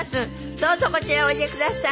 どうぞこちらへおいでください。